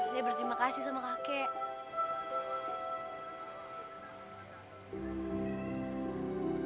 dia berterima kasih sama kakek